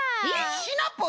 シナプーも！？